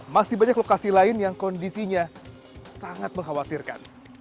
masih banyak lokasi lain yang kondisinya sangat mengkhawatirkan